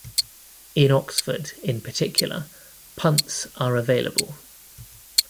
In Oxford in particular, punts are available.